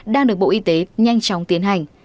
đang được bộ y tế nhanh chóng tiến hành